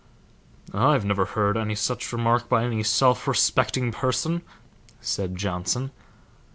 "I never heard any such remark by any self respecting person," said Johnson.